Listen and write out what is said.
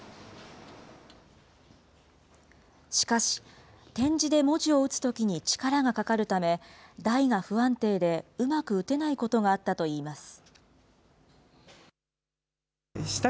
しかし、点字で文字を打つときに力がかかるため、台が不安定でうまく打てないこともあったといいます。